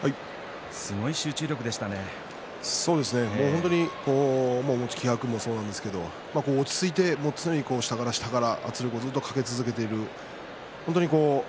本当に気迫もそうなんですけど落ち着いて常に下から下から圧力をかけ続けていました。